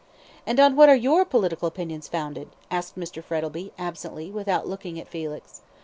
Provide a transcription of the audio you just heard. "And on what are your political opinions founded?" asked Mr. Frettlby, absently, without looking at Felix.